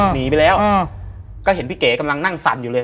หนีไปแล้วก็เห็นพี่เก๋กำลังนั่งสั่นอยู่เลย